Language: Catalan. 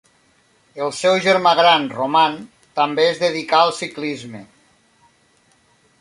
El seu germà gran Roman també es dedicà al ciclisme.